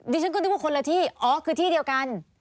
ฉันก็นึกว่าคนละที่อ๋อคือที่เดียวกัน